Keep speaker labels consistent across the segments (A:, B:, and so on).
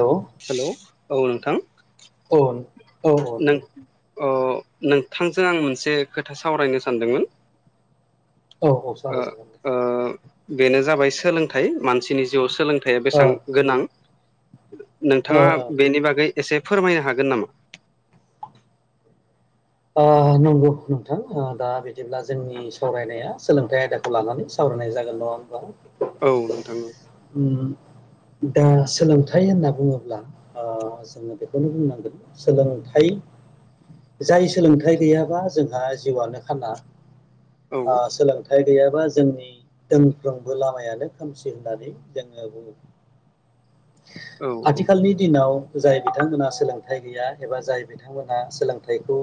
A: औ
B: हेलौ औ नोंथां
A: औ औ औ
B: नों अ नोंथांजों आं मोनसे खोथा सावरायनो सानदोंमोन
A: औ औ
B: ओ
A: जानो जागोन दे
B: ओ बेनो जाबाय सोलोंथाइ मानसिनि जिउआव सोलोंथायाइया
A: ओ
B: बेसेबां गोनां
A: ओ
B: नोंथाङा
A: ओ
B: बेनि बागै एसे फोरमायनो हागोन नामा
A: ओ नंगौ नोंथां दा बिदिब्ला जोंनि सावरायनाया सोलोंथाइ आयदाखौ लानानै सावराय फोरनाय जागोन नङा होमबा
B: औ नोंथां औ
A: उम दा सोलोंथाइ होनना बुङोब्ला ओ ओ जोङो बेखौनो बुंनांगोन सोलोंथाइ जाय सोलोंथाइ गैयाबा जोंहा जिउआनो खाना
B: औ
A: सोलोंथाइ गैयाबा जोंनि दोनफ्रोमबो लामायानो खोमसि होननानै जोंङो बु
B: [inaudible] औ
A: आथिखालनि दिनाव जाय बिथांमोना सोलोंथाइ गैया एबा जाय बिथांमोनहा सोलोंथाइ थायाइखौ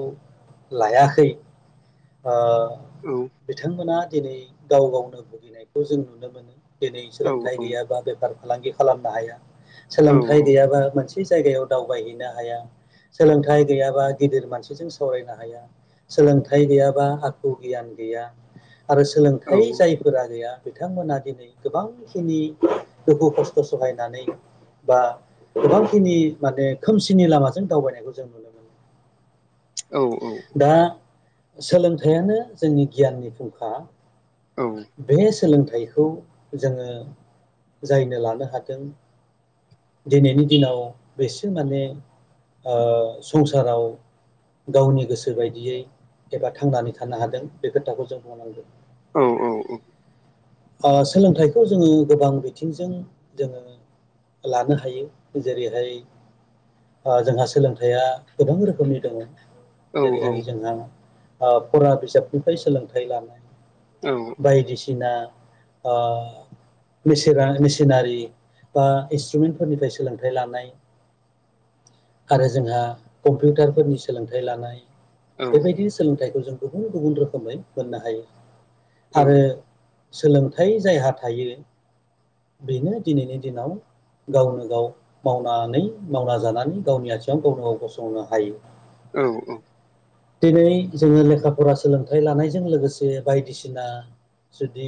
A: लायाखै ओ
B: औ
A: बिथांमोना दिनै गाव गावनो भुगिनायखौ जों नुनो मोनो दिनै
B: औ
A: सोलोंथाइ गैयाबा बेफार फालांगि खालामनो हाया
B: औ
A: सोलोंथाइ गैयाबा मोनसे जायगायाव दावबायहैनो हाया सोलोंथाइ गैयाबा गिदिर मानसि जों सावरायनो हाया सोलोंथाइ गैयाबा आखु गियान गैया आरो
B: औ
A: सोलोंथायाइ जायफोरा गैया बिथांमोना दिनै गोबांखिनि दुखु खस्थ' सहायनानै बा गोबांखिनि माने खोमसिनि लामाजों दावबायनायखौ जों नुनो मोनो
B: [inaudible] औ
A: दा सोलोंथाइयानो जोंनि गियाननि फुंखा
B: औ
A: बे सोलोंथाइखौ जोङो जायनो लानो हादों दिनैनि दिनाव बेसे माने ओ संसाराव गावनि गोसो बायदियै एबा थांनानै थानो हादों बे खोथाखौ जों बुंनांगोन
B: औ औ औ
A: अ सोलोंथाइखौ जोङो गोबां बिथिंजों जोङो लानो हायो जेरैहाय जोंहा सोलोंथाइया गोबां रोखोमनि दङ। जेरैहाय जोंहा ओ फरा बिजाबनिफ्राय सोलोंथाइ लानो बायदिसिना ओ मेसिना मेसिनारि बा इन्सट्रुमेन्टफोरनिफ्राय सोलोंथाइ लानाय आरो जोंहा कम्पिउटारफोरनि सोलोंथाइ लानाय बेबायदिनो सोलोंथाइखौ जों गुबुन गुबुन रोखोमै मोननो हायो आरो। सोलोंथाइ जायहा थायो बेनो दिनैनि दिनाव गावनो गाव मावनानै मावना जानानै गावनि आथिङाव गावनो गाव गसंनो हायो।
B: औ औ
A: दिनै जोङो लेखा फरा सोलोंथाइ लानायजों लोगोसे बायदिसिना जुदि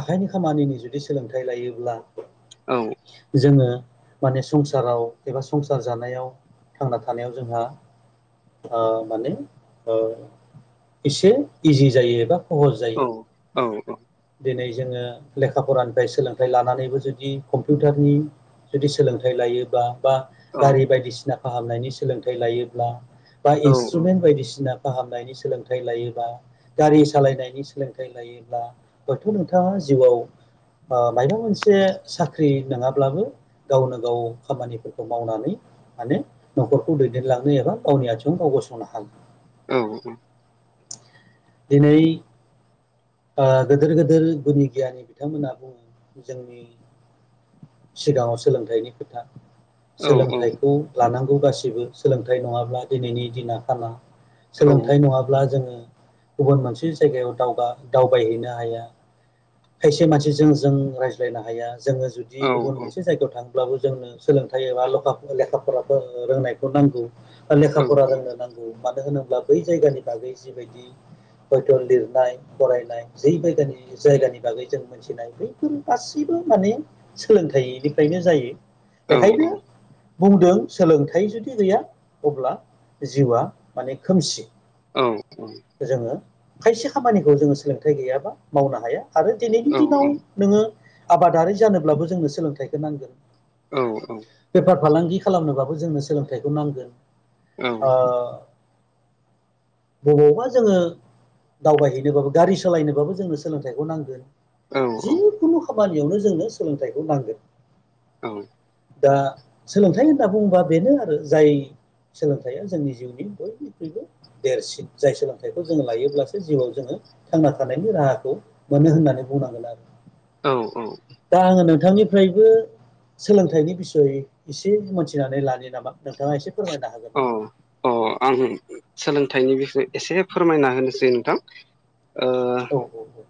A: आखाइनि खामानिनि जुदि सोलोंथाइ लायोब्ला
B: औ
A: जोङो माने संसाराव एबा संसार जानायाव थांना थानायाव जोंहा ओ माने ओ एसे इजि जायो एबा सहस
B: औ
A: जायो
B: औ
A: दिनै जोङो लेखा फरानिफ्राय सोलोंथाइ लानानैबो जुदि कम्पिउटारनि जुदि सोलोंथाइ लायोबा बा गारि बायदिसिना फाहामनायनिमंतंढढंढंढ सोलोंथाइ लायोब्ला बा इन्सट्रुमेन्ट बायदिसिना फाहामनायनि सोलोंथाइ लायोब्ला गारि सालायनायनि सोलोंथाइ लायोब्ला हयथ नोंथाङा जिउआव मायबा मोनसे साख्रि नङाब्लाबो गावनो गाव खामानिफोरखौ मावनानै माने न'खरखौ दैदेनलांनो एबा गावनि आथिङाव गाव गसंनो हागोन
B: औ औ
A: दिनै आ गदोर गेदिर गुनि गियानि बिथांमोनहा बुङो जोंनि सिगाङाव सोलोंथाइनि खोथा सोलोंथाइखौ लानांगौ गासिबो सोलोंथाइ नङाब्ला दिनैनि दिना खाना सोलोंथाइ नङाब्ला जोङो गुबुन मोनसे जायगायाव दावगा दावबायहैनो हाया खायसे मानसिजों जों रायज्लायनो हाया जोङो
B: औ
A: जुदि गुबुन मोनसे जायगायाव थां अब्लाबो जोंनो सोलोंथाइ एबा लेखा फरा रोंनायखौ नांगौ लेखा
B: औ
A: फरा
B: औ
A: रोंनो नांगौ मानो होनो बा बै जायगानि बागै जिबायदि हयथ' लिरनाय फरायनाय जै जायगानि जायगानि बागै जों मोनथिनाय बैफोर गासैबो माने सोलों [unintelligible] इनिफ्रायनो जायो
B: औ
A: बेखायनो बुंदों सोलोंथाइ जुदि गैया अब्ला जिउआ माने खोमसि
B: औ औ
A: जोङो खायसे खामानिखौ जोङो सोलोंथाइ गैयाबा मावनो हाया आरो दिनैनि दिनाव नोङो आबादारि जानोब्लाबो जोंनो सोलोंथाइखौ नांगोन
B: औ औ
A: बेफार फालांगि खालामनोबाबो जोंनो सोलोंथाइखौ नांगोन ओ बबावबा जोङो दावबायहैनो गारि सालायनोबाबो जोंनो सोलोंथाइखौ नांगोन
B: औ
A: जिुकुनु खामानि गिबियावनो जोंनो सोलोंथाइखौ नांगोन
B: औ
A: दा सोलोंथाइ होनना बुङोबा बेनो आरो जाय सोलोंथाइया जोंनि जिउनि बयनिख्रुइबो देरसिन जाय सोलोंथाइखौ जोंङो लायोब्लासो जिउआव जोंङो थांना थानायनि राहाखौ मोनो होननानै बुंनांगोन आरो
B: औ औ
A: दा आङो नोंथांनिफ्रायबो सोलोंथाइनि बिसय एसे मोनथिनानै लानो [unintelligible] नोंथाङा एसे फोरमायनो हागोन
B: औ अ आं सोलोंथाइनि बिसय एसे फोरमायना होनोसै नोंथां ओ
A: औ औ औ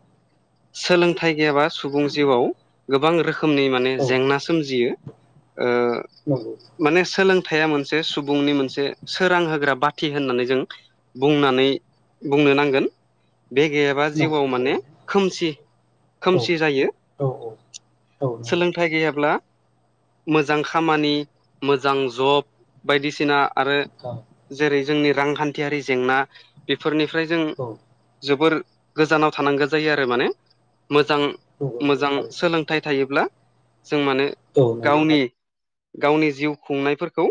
B: सोलोंथाइ गैयाबा सुबुं जिउआव गोबां रोखोम खोमनि
A: औ
B: जेंना सोमजियो ओ
A: नंगौ
B: माने सोलों हथाया मोनसे सुबुंनि मोनसे सोरां होग्रा बाथि होननानै जों बुंनानै बुंनो नांगोन बे गैयाबा
A: नंगौ
B: जिउआव माने
A: थारैनो
B: खोमसि
A: औ
B: खोमसि जायो
A: औ औ नंगौ
B: सोलोंथाइ गैयाब्ला मोजां खामानि मोजां जब बायदिसिना आरो
A: औ
B: जेरै जोंनि रांखान्थियारि जेंना बेफोरनि बेनिफ्राय जों
A: औ
B: जोबोर गोजानाव थानांगौ जायो आरो माने मोजां
A: नंगौ नंगौ
B: मोजां
A: थारैनो
B: सोलोंथाइ थायोब्ला जों माने
A: औ नंगौ थारैनो
B: गावनि गावनि जिउ खुंनायफोरखौ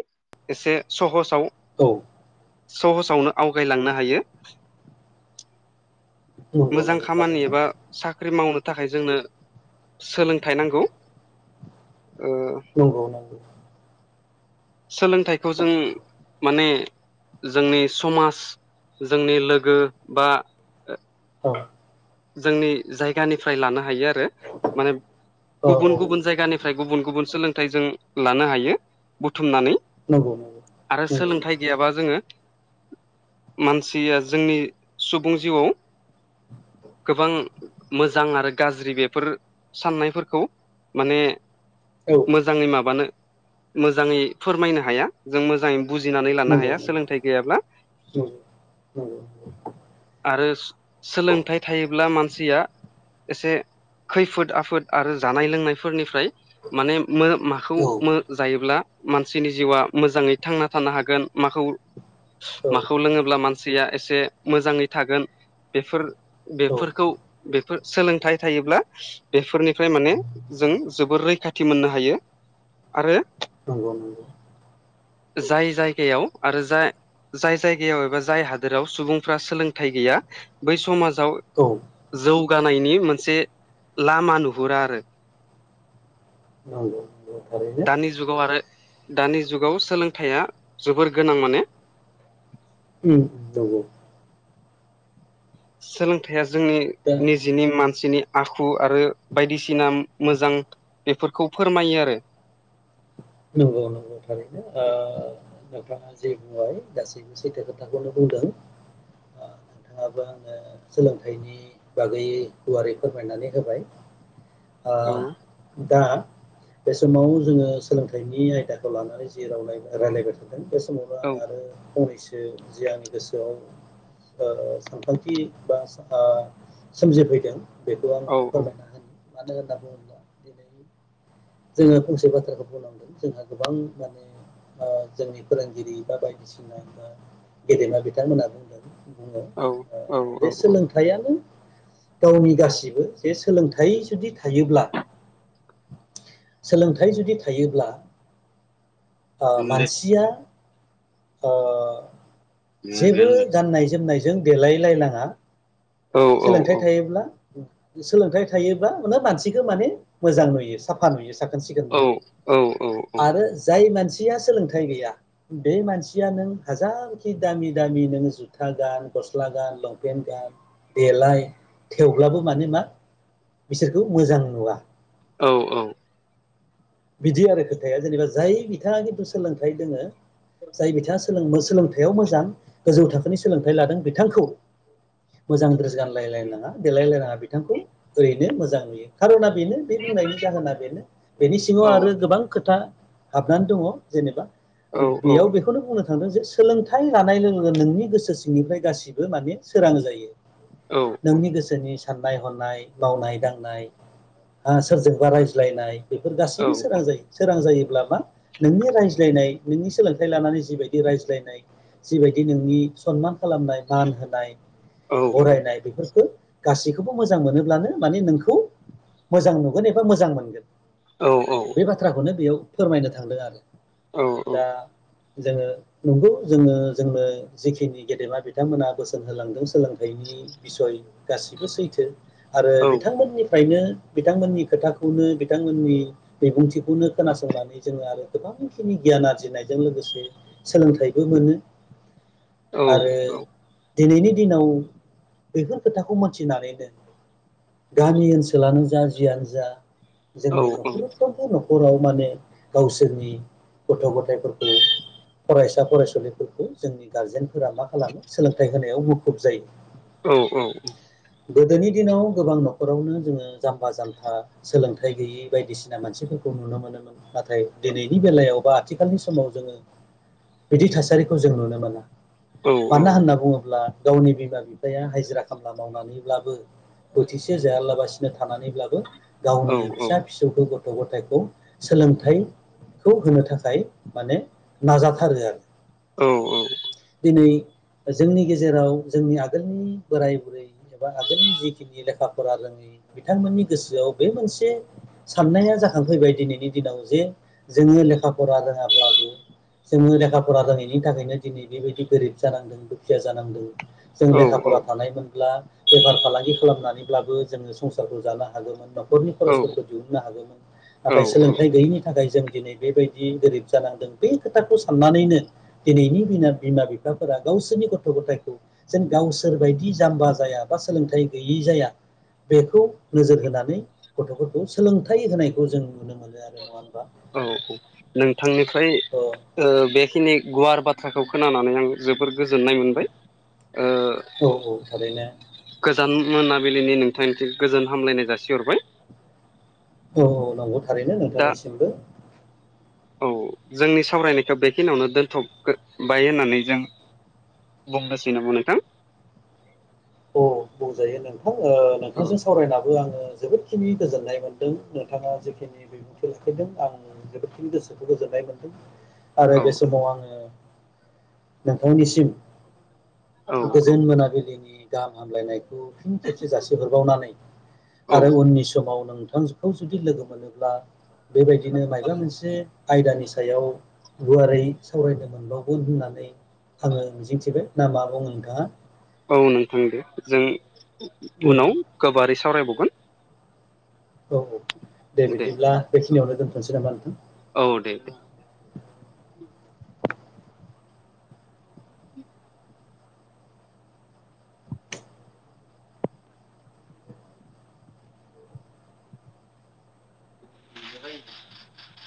B: एसे सहसाव
A: औ
B: सहसावनो आवगायलांनो हायो
A: औ नंगौ
B: मोजां खामानि
A: थारैनो
B: एबा साख्रि मावनो थाखाय जोंनो सोलोंथाइ नांगौ ओ
A: नंगौ नंगौ
B: सोलोंथाइखौ जों माने जोंनि समाज जोंनि लोगो बा
A: औ
B: जोंनि जायगानिफ्राय लानो दि आरो माने
A: औ औ
B: गुबुन गुबुन जायगनि फ्राय गुबुन गुबुन सोलोंथाइ जों लानो हायो बुथुमनानै
A: नंगौ नंगौ
B: आरो
A: नंगौ
B: सोलोंथाइ गैयाबा जोंङो मानसिया जोंनि सुबुं जिउआव गोबां मोजां आरो गाज्रि बेफोर साननायफोरखौ माने
A: औ
B: मोजांङै माबानो मोजांङै फोरमायनो हाया जों मोजांङै बुजिनानै लानो
A: नंगौ
B: हाया
A: नंगौ
B: सोलोंथाइ गैयाब्ला
A: नंगौ नंगौ
B: आरो सोलोंथाइ थायोब्ला मानसिया एसे खैफोद आफोद आरो जानाय लोंनायफोरनिफ्राय माने मो माखौ
A: औ
B: मो जायोब्ला मानसिनि जिउआ मोजांङै थांना थानो हागोन माखौ
A: औ
B: माखौ लोंङोब्ला मानसि सिया एसे मोजांङै थागोन बेफोर बेफोरखौ बे फोर सोलोंथाइ थायोब्ला बेफोरनिफ्राय माने जों जोबोर रैखाथि मोननो हायो। आरो
A: नंगौ नंगौ
B: जाय जायगायाव आरो जा जाय जायगायाव एबा जाय हादोराव सुबुंफ्रा सोलोंथाइ गैया बै समाजाव
A: औ
B: जौ गानायनि मोन से लामा नुहुरा आरो
A: नंगौ नंगौ थारैनो
B: दानि जुगाव आरो दानि जुगाव सोलोंथाइया जोबोर गोनां माने
A: उम नंगौ
B: सोलोंथाइया जोंनि
A: दा
B: निजेनि मान सिनि आखु आरो बायदिसिना मोजां बेफोरखौ फोरमायो आरो [inaudible]
A: नंगौ नंगौ थारैनो ओ नोंथांङा जे बुंबाय गासैबो सैथो खोथाखौनो बुंदों। नोंथाङाबो आंनो सोलोंथाइनि बागै गुवारै फोरमायनानै होबाय आ दा बे समाव जोंङो सोलोंथाइनि आयदाखौ लानानै जि राव लाय रायलायबोदों बे समावनो
B: औ
A: आं आरो फंनैसो जि आंनि गोसोआव ओ सानखां दि एबा ओ सोमजिफैदों बेखौ आं
B: औ
A: फोरमायना हानि मानो होनना बुंङोबला दिनै जोंङो फंसे बाथ्राखौ बुंलांदों जोंहा गोबां माने। जोंनि फोरोंगिरि बा बायदिसिना बा गेदेमा बिथांमोना बुंदों बुंङो
B: औ औ
A: बे सोलोंथाइयानो गावनि गासिबो बे सोलोंथाइ जुदि थायोब्ला सोलोंथाइ जुदि थायोब्ला ओ मानसिया ओ जेबो गाननाय जोमनायजों देलाय लायनांङा
B: औ
A: सोलोंथाइ थायोब्ला सोलोंथाइ थायोब्ला माहोनो मानसिखौ माने मोजां नुयो साफा नुयो सा सिखोन नुयो आरो जाय मानसि मानसिया सोलोंथाइ गैया बे मानसिया नों हाजारखि दामि दामि नों जुथा गान गस्ला गान लंपेन्ट गान देलाय थेवब्लाबो माने मा बिसोरखौ मोजां नुवा
B: औ औ
A: बिदि आरो खोथाया जेनेबा जाय बिथांङा खिन्थु सोलोंथाइ दोंङो जाय बिथांङा सोलों सोलोंथाइयाव मोजां गोजौ थाखोनि सोलोंथाइ लादों बिथांखौ मोजां द्रेस गानलायलायनांङा देलायलायनांङा बिथांखौ ओरैनो मोजां नुयो खार'ना बेनो बे बुंनायनि जाहोना बेनो बेनि सिंङाव आरो गोबां खोथा था हाबनानै दंङ जेनेबा आरो बेयाव बेखौनो बुंनो थांदों जे सोलोंथाइ लानाय लोगो नोंनि गोसो सिंनिफ्राय गासिबो माने सोरां जायो। नोंनि गोसोनि साननाय हनाय मावनाय दांनाय हा सोरजोंबा रायज्लायनाय फोर गासैबो सोरां जायो सोरां जायो अब्ला मा नोंनि रायज्लायनाय नोंनि सोलोंथाइ लानानै जिबायदि रायज्लायनाय जिबायदि नोंनि सनमान खालामनाय मान होनाय बरायनाय बेफोरखौ गासैखौबो मोजां मोनोब्लानो माने नोंखौ मोजां नुगोन एबा मोजां मोनगोन। बे बाथ्राखौनो बेयाव फोरमायनो थांदों आरो दा जोंङो नंगौ जोंङो जोंनो जिखिनि गेदेमा बिथांमोना बोसोन होलांदों सोलोंथाइनि बिसय गासिबो सैथो आरो बिथांमोननिफ्रायनो बिथांमोननि खोथाखौनो बिथांमोननि बिबुंथिखौनो खोनासंनानै जोंङो आरो गोबांखिनि गियान आरजिनायजों लोगोसे सोलोंथाइखौ खौमोनो
B: औ औ।
A: दिनैनि दिनाव बैफोर खोथाखौ मोनथिनानैनो गामि ओनसोलानो जा जियानो जा जोंनि न'खर
B: उम
A: हराव माने गावसोरनि गथ' गथायाइफोरखौ फरायसा फरायसुलिफोरखौ जोंनि गारजेनफोरा मा खालामो सोलोंथाइ होनायाव मुखुब जायो।
B: औ औ औ
A: गोदोनि दिनाव गोबां न'खरावनो जोंङो जाम्बा जाम्था सोलोंथाइ गैयि बायदिसिना मानसिफोरखौ नुनो मोनोमोन नाथाय दिनैनि बेलायाव बा आथिखालनि समाव जोंङो बिदि थासारिखौ जों नुनो मोना मानो होनना बुंङोब्ला गावनि बिमा बिफाया हाजिरा खामला मावनानैब्लाबो बोथिसे जायालाबासिनो थानानैब्लाबो गावनि फिसा फिसौखौ गथ' गथायखौ सोलोंथाइ खौ होनो थाखाय माने नाजाथारो आरो
B: औ औ
A: दिनै ओ जोंनि गेजेराव जोंनि आगोलनि बोराय बुरै एबा आगोलनि जिखिनि लेखा फरा रोंङै बिथांमोननि गोसोआव बे मोनसे साननाया जाखांफैबाय दिनैनि दिनाव जे जोंङो लेखा फरा रोंङाब्लाबो जोंङो लेखा फरा रोंङैनि थाखायनो दिनै बेबायदि गोरिब जानांदों दुखिया जानांदो। जों
B: औ
A: लेखा फरा
B: औ
A: थानायमोनब्ला बेफार फालांगि खालामनानैब्लाबो जोंङो संसारखौ जानो हागौमोन न'खरनि
B: औ
A: खरसफोरखौ दिहुननो हागौमोन
B: औ
A: नाथाय सोलोंथाइ
B: औ
A: गैयिनि थाखाय जों दिनै बेबायदि गोरिब जानांदों बे खोथाखौ साननानैनो दिनैनि बिमा बिमा बिफाफोरा गाव। गावसोरनि गथ' गथायखौ जेन गावसोर बायदि जाम्बा जाया बा सोलोंथाइ गैयै जाया बेखौ नोजोर होनानै गथ'फोरखौ सोलोंथाइ होनायखौ जों नुनो मोनो आरो नंङा
B: औ औ नोंथांनिफ्राय
A: अ
B: ओ बेखिनि गुवार बाथ्राखौ खोनानानै आं जोबोर गोजोननाय मोनबाय ओ
A: औ औ थारैनो
B: गोजान मोनाबिलिनि नोंथांनिसिम गोजोन हामलायनाय जासिहरबाय।
A: औ औ नंगौ थारैनो
B: दा
A: नोंथांनिसिमबो
B: औ जोंनि सावरायनायखौ बेखिनियावनो दोनथ'बाय होननानै जों [unintelligible]
A: अ बुंजायो नोंथां ओ
B: औ
A: नोंथांजों सावरायनाबो आंङो जोबोदखिनि गोजोननाय मोनदों नोंथांङा जिखिनि बिबुंथि लाखिदों आं जोबोदखिनि गोसोखौ गोजोननाय आरो
B: औ
A: बे समाव आंङो नोंथांनिसिम
B: औ
A: गोजोन मोनाबिलिनि गाहाम हामलायनाय फिन खेबसे जासिहरबावनानै आरो
B: औ
A: उननि समाव नों [unintelligible] खौ जुदि लोगो मोनोब्ला बेबायदिनो मायबा मोनसे आयदानि सायाव गुवारै सावरायनो मोनबावगोन होननानै। आंङो मिजिंथिबाय ना मा बुंङो नोंथांङा?
B: नोंगो जों उनाव गोबारै सावरायबावगोन
A: औ औ दे बिदिब्ला बेखिनियावनो दोनथ'नोसै नामा नोंथां
B: औ दे [inaudible]